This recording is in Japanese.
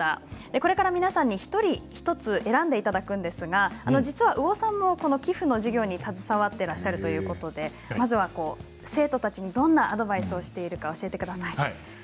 これから皆さんに１人１つ選んでいただくんですが実は鵜尾さんもこの寄付の授業に携わっていらっしゃるということで生徒たちにどんなアドバイスをしているか教えてください。